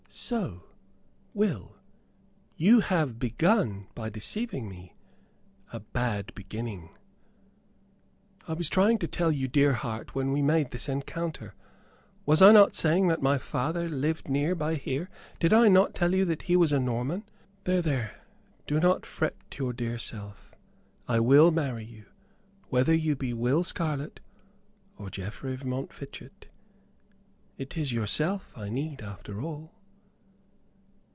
"So, Will, you have begun by deceiving me; a bad beginning." "I was trying to tell you, dear heart, when we made this encounter. Was I not saying that my father lived near by here? Did I not tell you that he was a Norman " "There, there, do not fret your dear self. I will marry you, whether you be Will Scarlett or Geoffrey of Montfichet. It is yourself I need, after all."